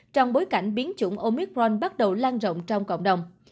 trong bối cảnh biến chủng omicron bắt đầu lan rộng trong cộng đồng